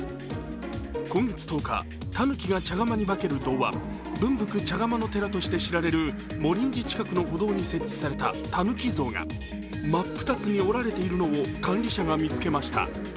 今月１０日、たぬきが茶釜に化ける童話、「分福茶釜」の寺として知られる茂林寺近くの歩道に設置されたたぬき像が真っ二つに折られているのを管理者が見つけました。